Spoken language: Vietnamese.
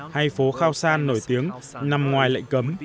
hay phố khao san nổi tiếng nằm ngoài lệnh cấm